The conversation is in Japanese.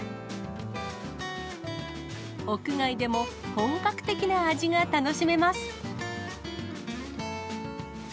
屋外でも本格的な味が楽しめます。